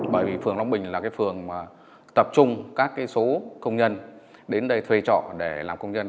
bởi vì phường long bình là phường mà tập trung các số công nhân đến đây thuê trọ để làm công nhân